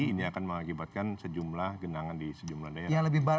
ini akan mengakibatkan sejumlah genangan di sejumlah daerah